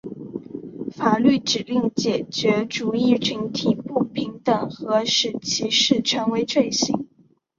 法律指令解决族裔群体不平等和使歧视成为罪行。